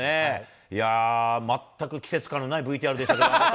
いやー、全く季節感のないＶＴＲでしたけれども。